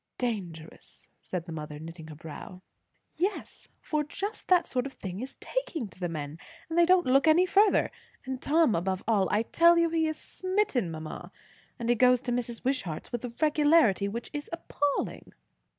"Dangerous!" said the mother, knitting her brows. "Yes; for just that sort of thing is taking to the men; and they don't look any further. And Tom above all. I tell you, he is smitten, mamma. And he goes to Mrs. Wishart's with a regularity which is appalling."